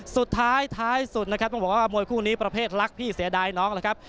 สุดท้ายท้ายสุดนะครับต้องบอกว่ามวยคู่นี้ประเภทรักพี่เสียดายน้องนะครับ